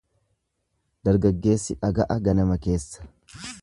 Dargaggeessi dhaga'a ganama keessa.